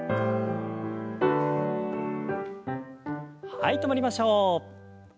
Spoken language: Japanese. はい止まりましょう。